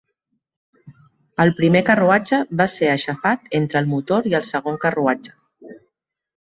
El primer carruatge va ser aixafat entre el motor i el segon carruatge